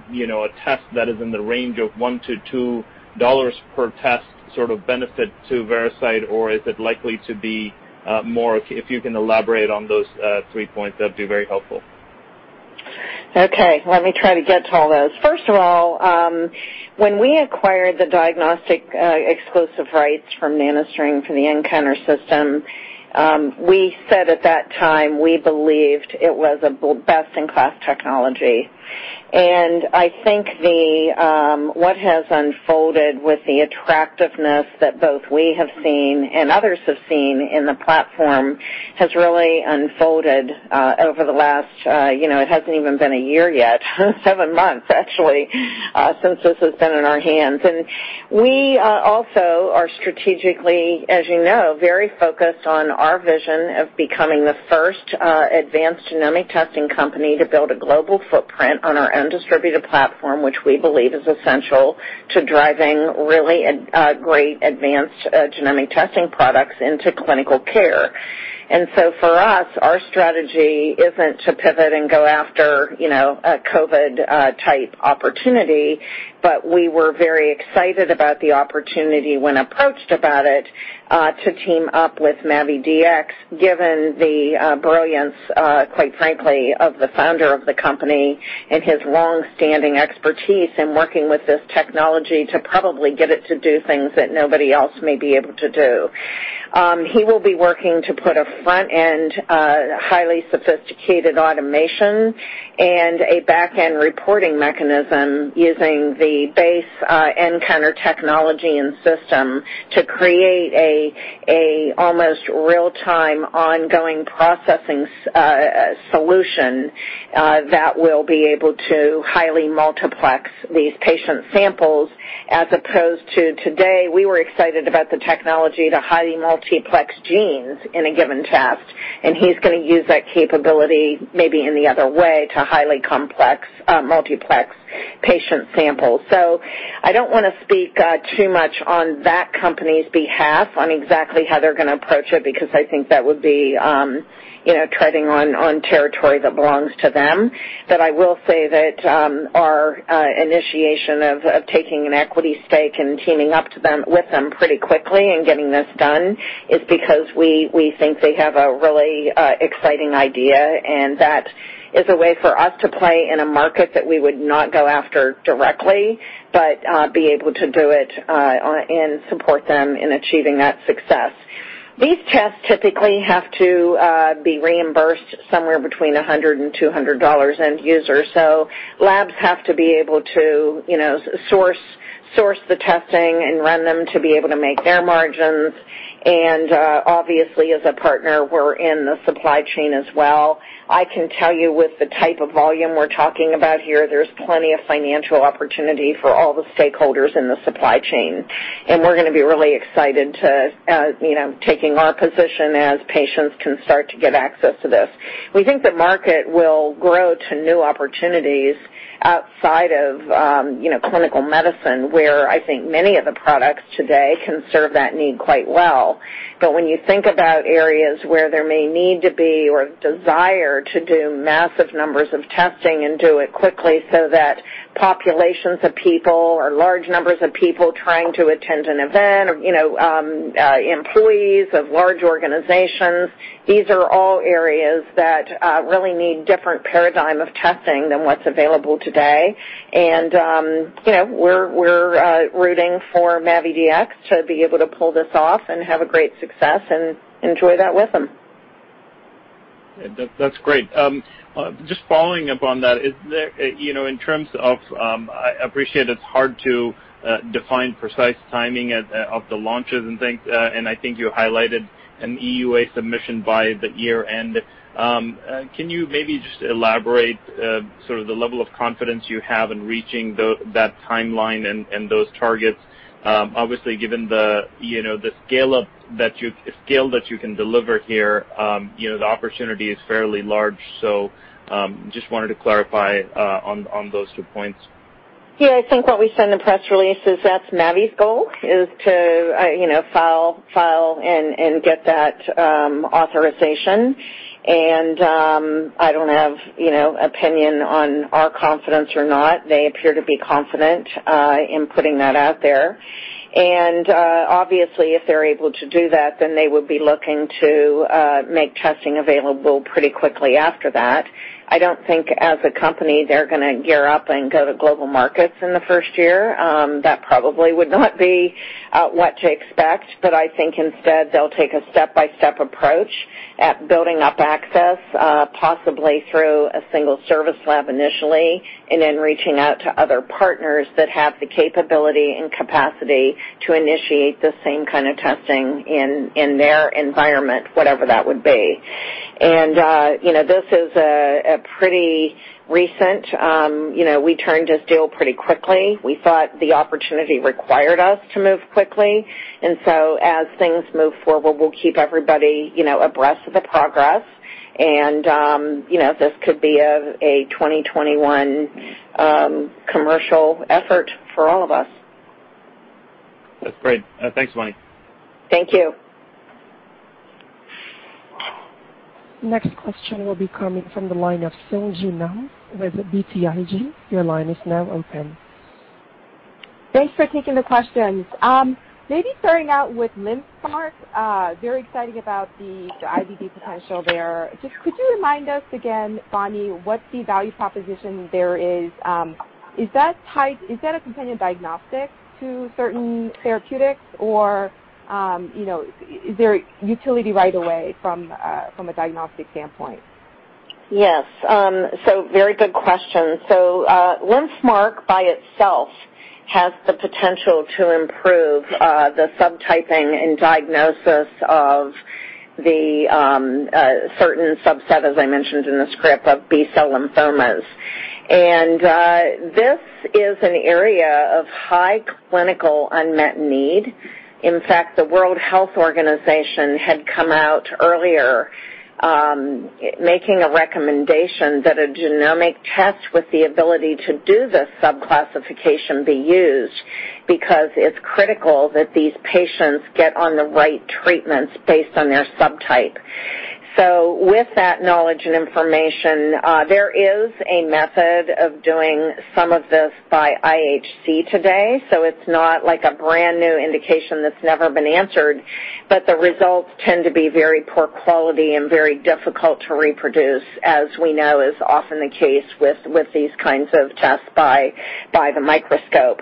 test that is in the range of $1 to $2 per test sort of benefit to Veracyte, or is it likely to be more? If you can elaborate on those three points, that would be very helpful. Okay. Let me try to get to all those. First of all, when we acquired the diagnostic exclusive rights from NanoString from the nCounter system, we said at that time we believed it was a best-in-class technology. I think what has unfolded with the attractiveness that both we have seen and others have seen in the platform has really unfolded over the last, it hasn't even been a year yet, seven months actually, since this has been in our hands. We also are strategically, as you know, very focused on our vision of becoming the first advanced genomic testing company to build a global footprint on our own distributed platform, which we believe is essential to driving really great advanced genomic testing products into clinical care. For us, our strategy isn't to pivot and go after a COVID-type opportunity, but we were very excited about the opportunity when approached about it, to team up with MAVIDx, given the brilliance, quite frankly, of the founder of the company and his long-standing expertise in working with this technology to probably get it to do things that nobody else may be able to do. He will be working to put a front-end, highly sophisticated automation and a back-end reporting mechanism using the base nCounter technology and system to create a almost real-time, ongoing processing solution that will be able to highly multiplex these patient samples as opposed to today, we were excited about the technology to highly multiplex genes in a given test, and he's going to use that capability maybe in the other way to highly complex multiplex patient samples. I don't want to speak too much on that company's behalf on exactly how they're going to approach it, because I think that would be treading on territory that belongs to them. I will say that our initiation of taking an equity stake and teaming up with them pretty quickly and getting this done is because we think they have a really exciting idea, and that is a way for us to play in a market that we would not go after directly, but be able to do it and support them in achieving that success. These tests typically have to be reimbursed somewhere between $100 and $200 end user. Labs have to be able to source the testing and run them to be able to make their margins. Obviously, as a partner, we're in the supply chain as well. I can tell you with the type of volume we're talking about here, there's plenty of financial opportunity for all the stakeholders in the supply chain. We're going to be really excited to taking our position as patients can start to get access to this. We think the market will grow to new opportunities outside of clinical medicine, where I think many of the products today can serve that need quite well. When you think about areas where there may need to be or desire to do massive numbers of testing and do it quickly so that populations of people or large numbers of people trying to attend an event or employees of large organizations, these are all areas that really need different paradigm of testing than what's available today. We're rooting for MAVIDx to be able to pull this off and have a great success and enjoy that with them. That's great. Just following up on that, in terms of, I appreciate it's hard to define precise timing of the launches and things, and I think you highlighted an EUA submission by the year-end. Can you maybe just elaborate sort of the level of confidence you have in reaching that timeline and those targets? Obviously, given the scale that you can deliver here, the opportunity is fairly large. Just wanted to clarify on those two points. Yeah, I think what we said in the press release is that's MAVIDx's goal is to file and get that authorization. I don't have opinion on our confidence or not. They appear to be confident in putting that out there. Obviously, if they're able to do that, then they would be looking to make testing available pretty quickly after that. I don't think as a company, they're going to gear up and go to global markets in the first year. That probably would not be what to expect. I think instead, they'll take a step-by-step approach at building up access, possibly through a single service lab initially, and then reaching out to other partners that have the capability and capacity to initiate the same kind of testing in their environment, whatever that would be. This is pretty recent. We turned this deal pretty quickly. We thought the opportunity required us to move quickly. As things move forward, we'll keep everybody abreast of the progress. This could be a 2021 commercial effort for all of us. That's great. Thanks, Bonnie. Thank you. Next question will be coming from the line of Sung Ji Nam with BTIG. Your line is now open. Thanks for taking the questions. Maybe starting out with LymphMark, very exciting about the IVD potential there. Just could you remind me again, Bonnie, what the value proposition there is? Is that a companion diagnostic to certain therapeutics, or is there utility right away from a diagnostic standpoint? Yes. Very good question. LymphMark by itself has the potential to improve the subtyping and diagnosis of the certain subset, as I mentioned in the script, of B-cell lymphomas. This is an area of high clinical unmet need. In fact, the World Health Organization had come out earlier, making a recommendation that a genomic test with the ability to do this subclassification be used, because it's critical that these patients get on the right treatments based on their subtype. With that knowledge and information, there is a method of doing some of this by IHC today. It's not like a brand-new indication that's never been answered, but the results tend to be very poor quality and very difficult to reproduce, as we know is often the case with these kinds of tests by the microscope.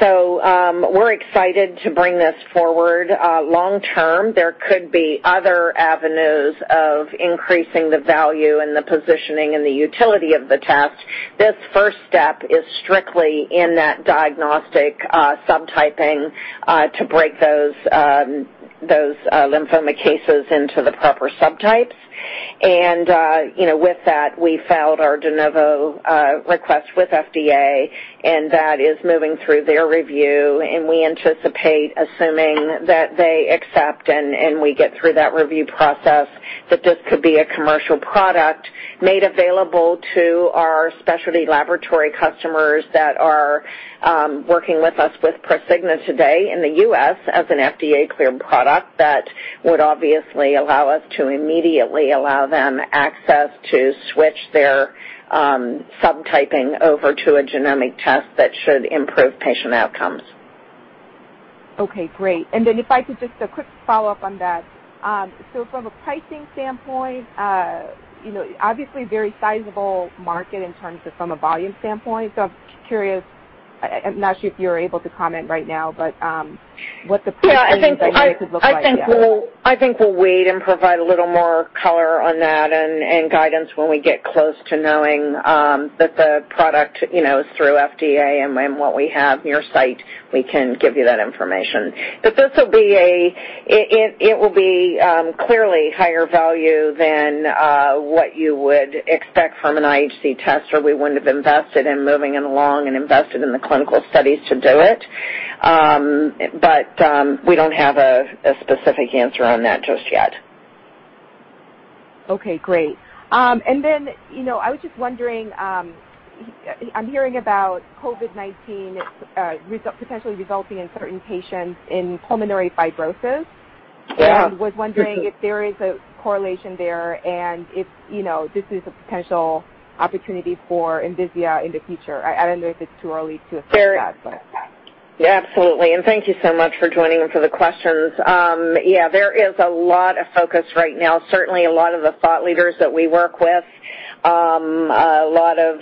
We're excited to bring this forward. Long term, there could be other avenues of increasing the value and the positioning and the utility of the test. This first step is strictly in that diagnostic subtyping, to break those lymphoma cases into the proper subtypes. With that, we filed our De Novo request with FDA, and that is moving through their review, and we anticipate, assuming that they accept and we get through that review process, that this could be a commercial product made available to our specialty laboratory customers that are working with us with Prosigna today in the U.S. as an FDA-cleared product. That would obviously allow us to immediately allow them access to switch their subtyping over to a genomic test that should improve patient outcomes. Okay, great. If I could, just a quick follow-up on that. From a pricing standpoint, obviously very sizable market in terms of from a volume standpoint. I'm curious, I'm not sure if you're able to comment right now, but what the pricing dynamic could look like there. I think we'll wait and provide a little more color on that and guidance when we get close to knowing that the product is through FDA and what we have near site, we can give you that information. It will be clearly higher value than what you would expect from an IHC test, or we wouldn't have invested in moving it along and invested in the clinical studies to do it. We don't have a specific answer on that just yet. Okay, great. Then, I was just wondering, I'm hearing about COVID-19 potentially resulting in certain patients in pulmonary fibrosis. Yeah. Was wondering if there is a correlation there and if this is a potential opportunity for Envisia in the future. I don't know if it's too early to assess that. Absolutely. Thank you so much for joining and for the questions. There is a lot of focus right now, certainly a lot of the thought leaders that we work with. A lot of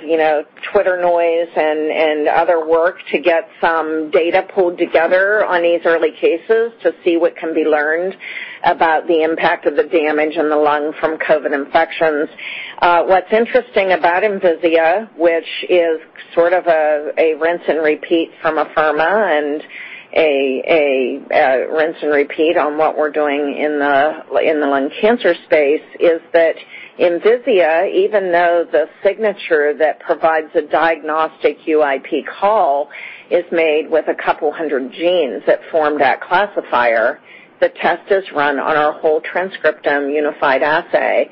Twitter noise and other work to get some data pulled together on these early cases to see what can be learned about the impact of the damage in the lung from COVID infections. What's interesting about Envisia, which is sort of a rinse and repeat from Afirma and a rinse and repeat on what we're doing in the lung cancer space, is that Envisia, even though the signature that provides a diagnostic UIP call is made with a couple hundred genes that form that classifier, the test is run on our whole transcript and unified assay.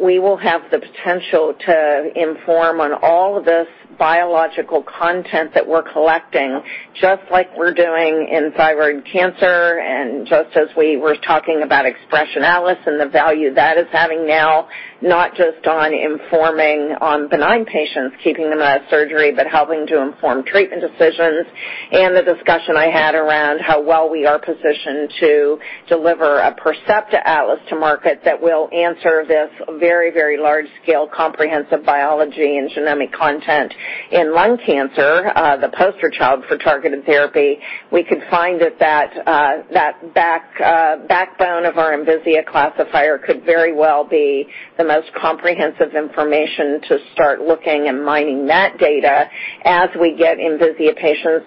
We will have the potential to inform on all of this biological content that we're collecting. Just like we're doing in thyroid cancer, just as we were talking about Xpression Atlas and the value that is having now, not just on informing on benign patients, keeping them out of surgery, but helping to inform treatment decisions. The discussion I had around how well we are positioned to deliver a Percepta Atlas to market that will answer this very, very large-scale comprehensive biology and genomic content in lung cancer, the poster child for targeted therapy. We could find that backbone of our Envisia classifier could very well be the most comprehensive information to start looking and mining that data as we get Envisia patients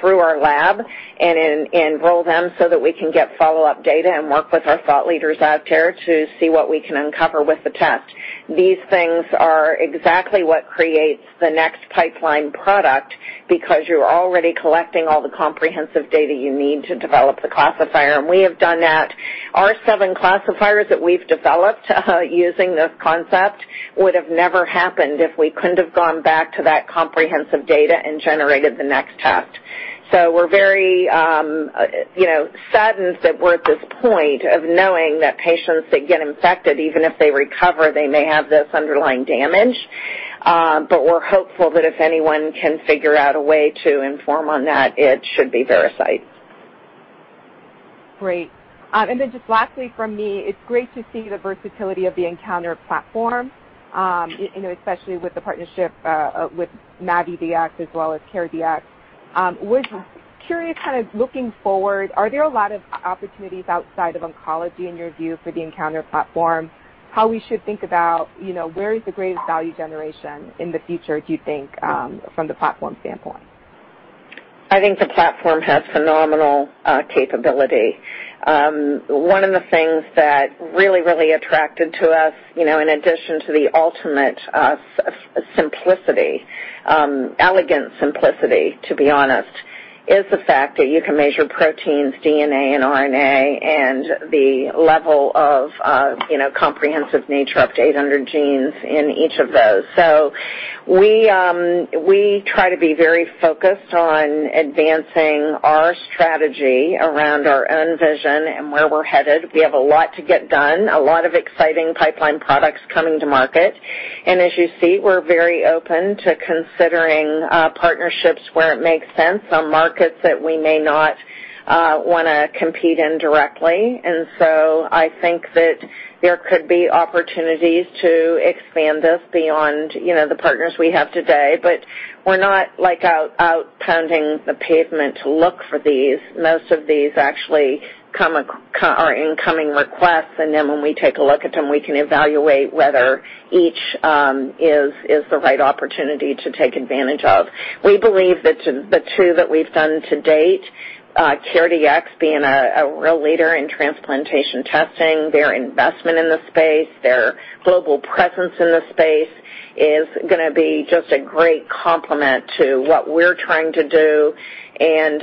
through our lab and enroll them so that we can get follow-up data and work with our thought leaders out there to see what we can uncover with the test. These things are exactly what creates the next pipeline product, because you're already collecting all the comprehensive data you need to develop the classifier, and we have done that. Our seven classifiers that we've developed using this concept would have never happened if we couldn't have gone back to that comprehensive data and generated the next test. We're very saddened that we're at this point of knowing that patients that get infected, even if they recover, they may have this underlying damage. We're hopeful that if anyone can figure out a way to inform on that, it should be Veracyte. Great. Just lastly from me, it's great to see the versatility of the nCounter platform, especially with the partnership with MAVIDx as well as CareDx. I was curious, kind of looking forward, are there a lot of opportunities outside of oncology in your view for the nCounter platform? How we should think about where is the greatest value generation in the future, do you think, from the platform standpoint? I think the platform has phenomenal capability. One of the things that really attracted to us, in addition to the ultimate simplicity, elegant simplicity, to be honest, is the fact that you can measure proteins, DNA, and RNA, and the level of comprehensive nature up to 800 genes in each of those. We try to be very focused on advancing our strategy around our own vision and where we're headed. We have a lot to get done, a lot of exciting pipeline products coming to market. As you see, we're very open to considering partnerships where it makes sense on markets that we may not want to compete in directly. I think that there could be opportunities to expand this beyond the partners we have today. We're not out pounding the pavement to look for these. Most of these actually are incoming requests, then when we take a look at them, we can evaluate whether each is the right opportunity to take advantage of. We believe that the two that we've done to date, CareDx being a real leader in transplantation testing, their investment in the space, their global presence in the space, is going to be just a great complement to what we're trying to do.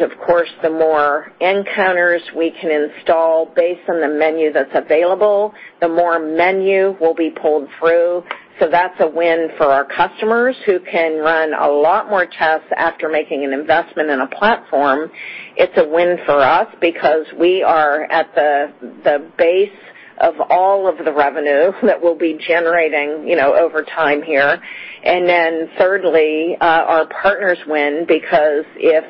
Of course, the more nCounters we can install based on the menu that's available, the more menu will be pulled through. That's a win for our customers who can run a lot more tests after making an investment in a platform. It's a win for us because we are at the base of all of the revenue that we'll be generating over time here. Then thirdly, our partners win because if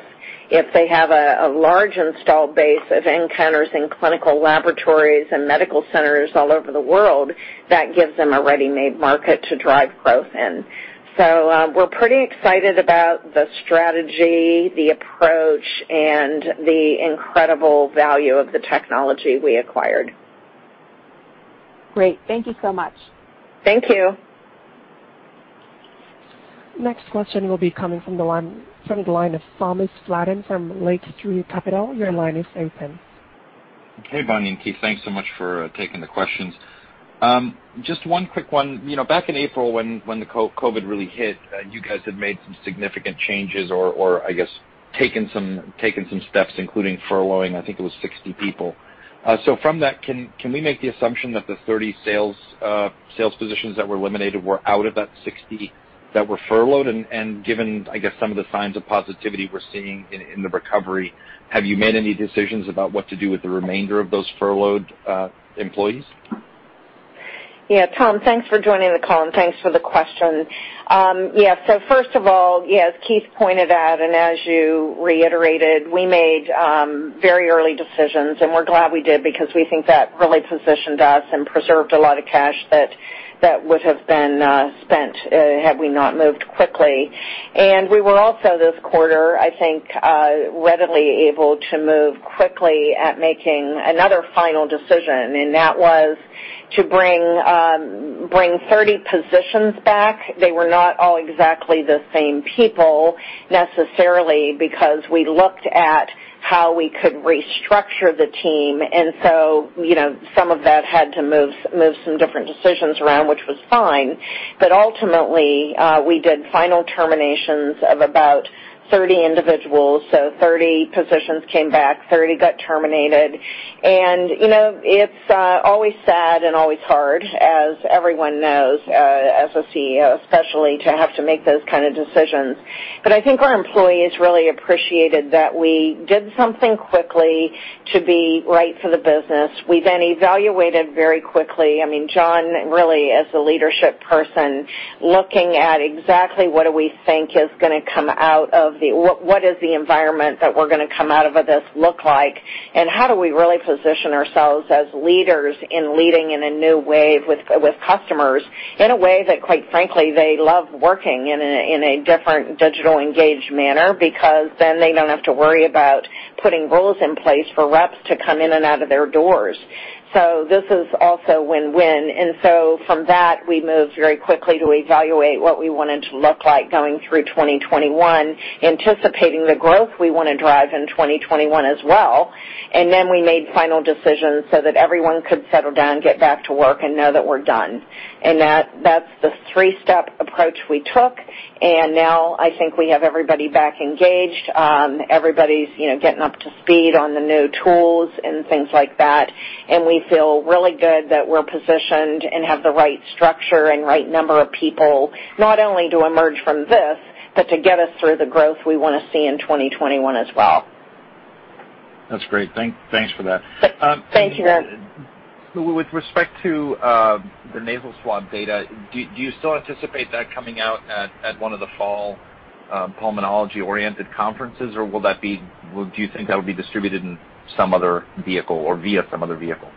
they have a large install base of nCounters in clinical laboratories and medical centers all over the world, that gives them a ready-made market to drive growth in. We're pretty excited about the strategy, the approach, and the incredible value of the technology we acquired. Great. Thank you so much. Thank you. Next question will be coming from the line of Thomas Flaten from Lake Street Capital. Your line is open. Hey, Bonnie and Keith, thanks so much for taking the questions. Just one quick one. Back in April when the COVID really hit, you guys had made some significant changes or I guess, taken some steps, including furloughing, I think it was 60 people. From that, can we make the assumption that the 30 sales positions that were eliminated were out of that 60 that were furloughed? Given, I guess, some of the signs of positivity we're seeing in the recovery, have you made any decisions about what to do with the remainder of those furloughed employees? Yeah. Tom, thanks for joining the call, and thanks for the question. Yeah. First of all, as Keith pointed out, and as you reiterated, we made very early decisions, and we're glad we did because we think that really positioned us and preserved a lot of cash that would have been spent had we not moved quickly. We were also, this quarter, I think, readily able to move quickly at making another final decision, and that was to bring 30 positions back. They were not all exactly the same people necessarily, because we looked at how we could restructure the team, and so some of that had to move some different decisions around, which was fine. Ultimately, we did final terminations of about 30 individuals. 30 positions came back, 30 got terminated. It's always sad and always hard, as everyone knows, as a CEO especially, to have to make those kind of decisions. I think our employees really appreciated that we did something quickly to be right for the business. We evaluated very quickly. John, really as a leadership person, looking at exactly what do we think is going to come out of what is the environment that we're going to come out of this look like, and how do we really position ourselves as leaders in leading in a new way with customers in a way that, quite frankly, they love working in a different digital engaged manner, because then they don't have to worry about putting rules in place for reps to come in and out of their doors. This is also win-win. From that, we moved very quickly to evaluate what we wanted to look like going through 2021, anticipating the growth we want to drive in 2021 as well. Then we made final decisions so that everyone could settle down, get back to work, and know that we're done. That's the three-step approach we took. Now I think we have everybody back engaged. Everybody's getting up to speed on the new tools and things like that, and we feel really good that we're positioned and have the right structure and right number of people, not only to emerge from this, but to get us through the growth we want to see in 2021 as well. That's great. Thanks for that. Thank you. With respect to the nasal swab data, do you still anticipate that coming out at one of the fall pulmonology-oriented conferences, or do you think that will be distributed in some other vehicle or via some other vehicle?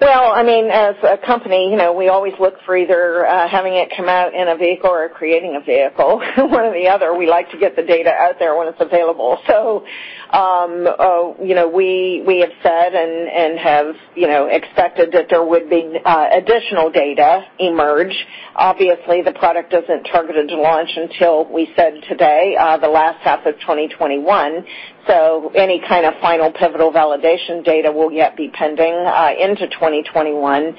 Well, as a company, we always look for either having it come out in a vehicle or creating a vehicle, one or the other. We like to get the data out there when it's available. We have said and have expected that there would be additional data emerge. Obviously, the product isn't targeted to launch until we said today, the last half of 2021. Any kind of final pivotal validation data will yet be pending into 2021.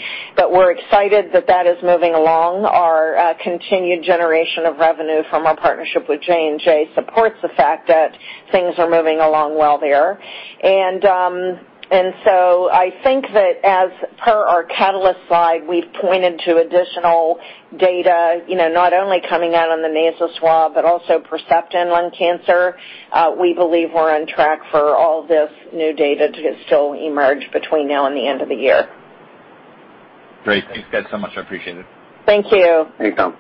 We're excited that that is moving along. Our continued generation of revenue from our partnership with J&J supports the fact that things are moving along well there. I think that as per our catalyst slide, we've pointed to additional data, not only coming out on the nasal swab, but also Percepta in lung cancer. We believe we're on track for all this new data to still emerge between now and the end of the year. Great. Thank you guys so much. I appreciate it. Thank you. Thank you.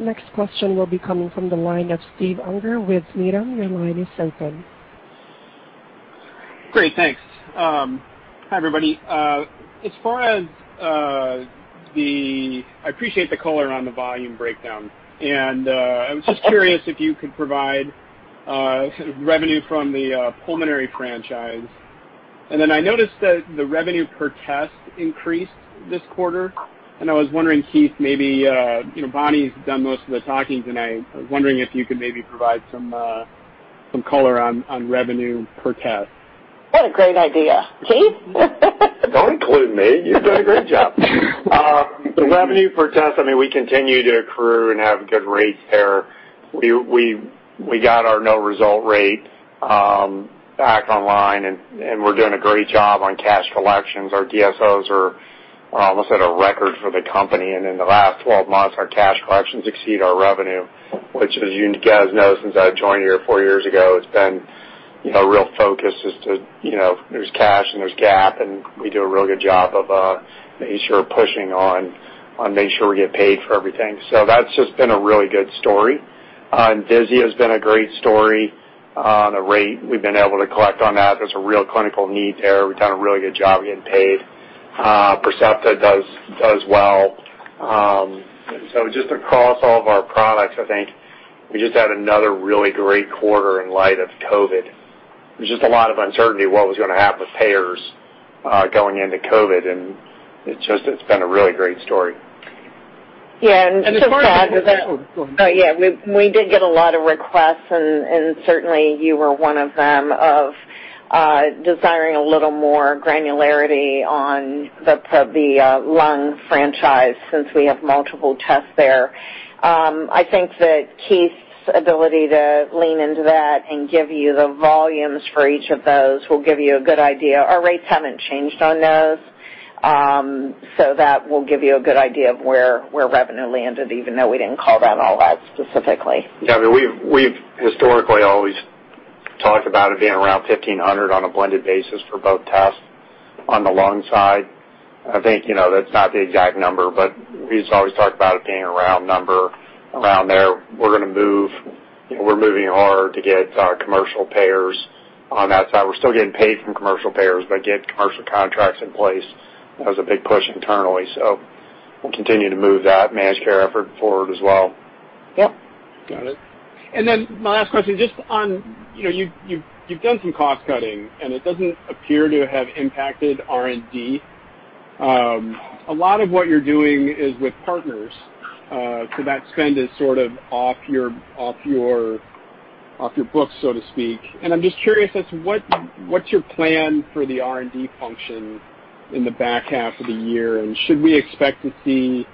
Next question will be coming from the line of Stephen Unger with Needham. Your line is open. Great. Thanks. Hi, everybody. I appreciate the color on the volume breakdown. I was just curious if you could provide revenue from the pulmonary franchise. Then I noticed that the revenue per test increased this quarter. I was wondering, Keith, maybe, Bonnie's done most of the talking tonight. I was wondering if you could maybe provide some color on revenue per test. What a great idea. Keith? Don't include me. You're doing a great job. Revenue per test, we continue to accrue and have good rates there. We got our no result rate back online, and we're doing a great job on cash collections. Our DSOs are almost at a record for the company, and in the last 12 months, our cash collections exceed our revenue, which as you guys know, since I joined here four years ago, it's been a real focus as to there's cash and there's GAAP, and we do a real good job of making sure we're pushing on make sure we get paid for everything. That's just been a really good story. Envisia has been a great story on the rate we've been able to collect on that. There's a real clinical need there. We've done a really good job getting paid. Percepta does well. Just across all of our products, I think we just had another really great quarter in light of COVID. There was just a lot of uncertainty what was going to happen with payers going into COVID, and it's been a really great story. Yeah. It's just sad that. Oh, go ahead. Yeah. We did get a lot of requests and certainly you were one of them, of desiring a little more granularity on the lung franchise since we have multiple tests there. I think that Keith's ability to lean into that and give you the volumes for each of those will give you a good idea. Our rates haven't changed on those, so that will give you a good idea of where revenue landed, even though we didn't call that all out specifically. We've historically always talked about it being around 1,500 on a blended basis for both tests. On the lung side, I think that's not the exact number, but we just always talked about it being a round number, around there. We're moving hard to get our commercial payers on that side. We're still getting paid from commercial payers, but get commercial contracts in place. That was a big push internally. We'll continue to move that managed care effort forward as well. Yep. Got it. My last question, just on, you've done some cost-cutting, it doesn't appear to have impacted R&D. A lot of what you're doing is with partners, so that spend is sort of off your books, so to speak. I'm just curious as to what's your plan for the R&D function in the back half of the year, and should we expect to see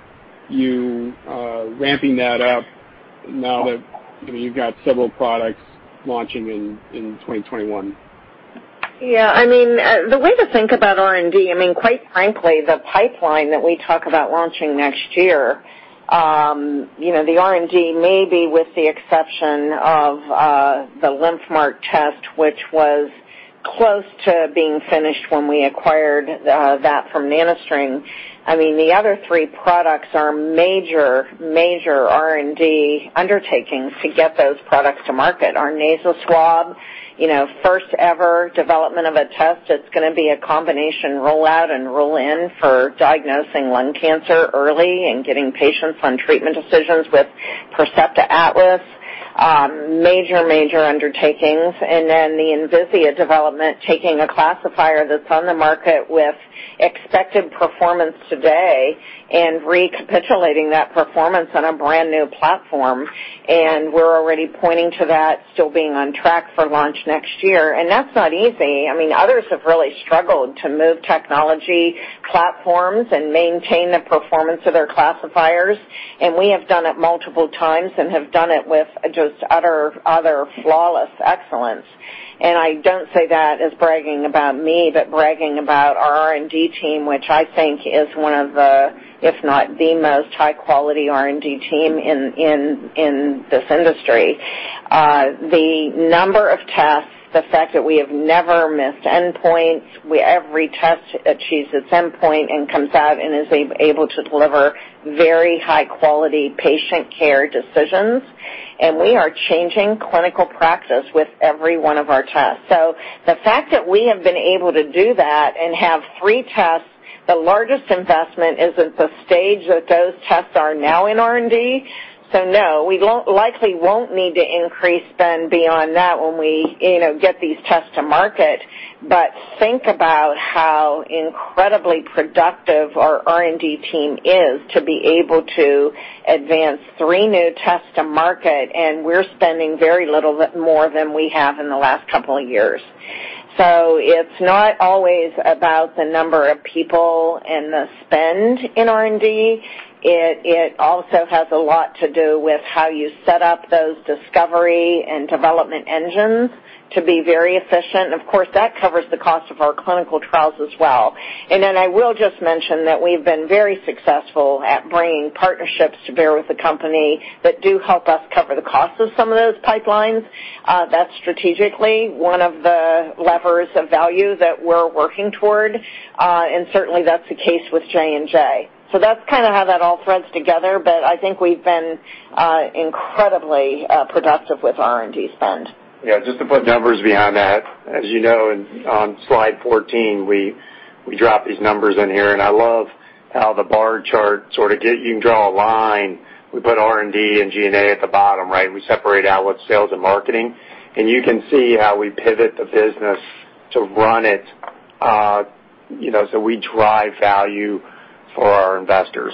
you ramping that up now that you've got several products launching in 2021? Yeah. The way to think about R&D, quite frankly, the pipeline that we talk about launching next year, the R&D maybe with the exception of the LymphMark test, which was close to being finished when we acquired that from NanoString. The other three products are major R&D undertakings to get those products to market. Our nasal swab, first-ever development of a test, it's going to be a combination rollout and roll-in for diagnosing lung cancer early and getting patients on treatment decisions with Percepta Atlas. Major, major undertakings. The Envisia development, taking a classifier that's on the market with expected performance today and recapitulating that performance on a brand-new platform. We're already pointing to that still being on track for launch next year. That's not easy. Others have really struggled to move technology platforms and maintain the performance of their classifiers. We have done it multiple times and have done it with just utter flawless excellence. I don't say that as bragging about me, but bragging about our R&D team, which I think is one of the, if not the most, high-quality R&D team in this industry. The number of tests, the fact that we have never missed endpoints, every test achieves its endpoint and comes out and is able to deliver very high-quality patient care decisions. We are changing clinical practice with every one of our tests. The fact that we have been able to do that and have three tests, the largest investment is at the stage that those tests are now in R&D. No, we likely won't need to increase spend beyond that when we get these tests to market. Think about how incredibly productive our R&D team is to be able to advance three new tests to market, and we're spending very little more than we have in the last couple of years. It's not always about the number of people and the spend in R&D. It also has a lot to do with how you set up those discovery and development engines to be very efficient. Of course, that covers the cost of our clinical trials as well. Then I will just mention that we've been very successful at bringing partnerships to bear with the company that do help us cover the cost of some of those pipelines. That's strategically one of the levers of value that we're working toward, and certainly, that's the case with J&J. That's kind of how that all threads together, but I think we've been incredibly productive with R&D spend. Yeah, just to put numbers behind that, as you know, on slide 14, we dropped these numbers in here, and I love how the bar chart sort of you can draw a line. We put R&D and G&A at the bottom, right? We separate out what sales and marketing, you can see how we pivot the business to run it so we drive value for our investors.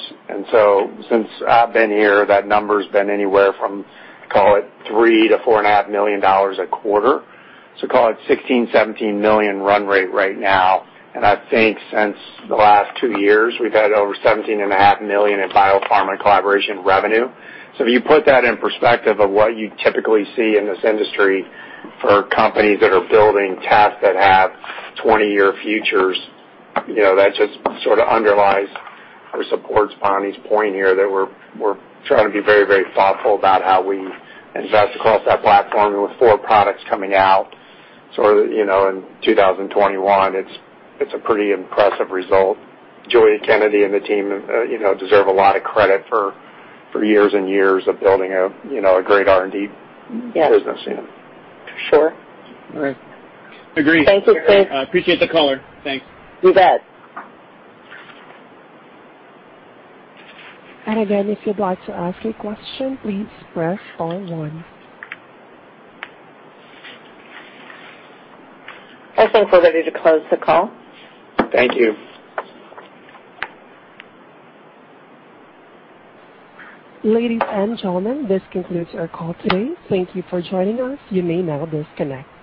Since I've been here, that number's been anywhere from, call it, $3 million-$4.5 million a quarter. Call it $16 million-$17 million run rate right now. I think since the last two years, we've had over $17.5 million in biopharma collaboration revenue. If you put that in perspective of what you typically see in this industry for companies that are building tests that have 20-year futures, that just sort of underlies or supports Bonnie's point here that we're trying to be very thoughtful about how we invest across that platform with four products coming out in 2021. It's a pretty impressive result. Giulia Kennedy And the team deserve a lot of credit for years and years of building a great R&D business. Yeah. Sure. All right. Agree. Thank you, Steve. I appreciate the color. Thanks. You bet. Again, if you'd like to ask a question, please press star one. I think we're ready to close the call. Thank you. Ladies and gentlemen, this concludes our call today. Thank you for joining us. You may now disconnect.